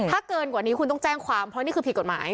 ถ้าเกินกว่านี้คุณต้องแจ้งความเพราะนี่คือผิดกฎหมาย